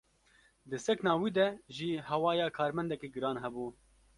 Di sekna wî de jî hewaya karmendekî giran hebû.